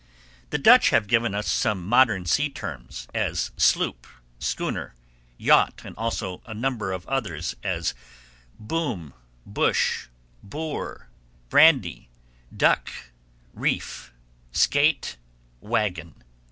The Dutch have given us some modern sea terms, as sloop, schooner, yacht and also a number of others as boom, bush, boor, brandy, duck, reef, skate, wagon.